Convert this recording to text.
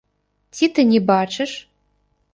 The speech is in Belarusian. Ці ты не бачыш?